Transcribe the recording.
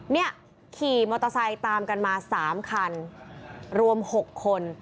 เนี่ยขี่มอเตอร์ไซค์ตามกันมา๓คันรวม๖คน